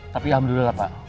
tapi ya alhamdulillah pak